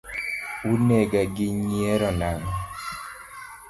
Unega gi nyiero nang’o?